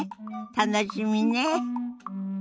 楽しみね。